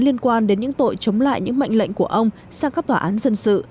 liên quan đến những tội chống lại những mệnh lệnh của ông sang các tòa án dân sự